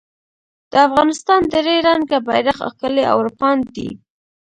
د افغانستان درې رنګه بېرغ ښکلی او رپاند دی